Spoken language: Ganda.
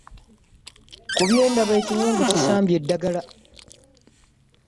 Kubyendaba ekiwundu kisambye edagala .